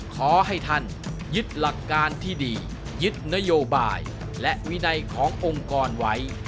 ขอให้ท่านยึดหลักการที่ดียึดนโยบายและวินัยขององค์กรไว้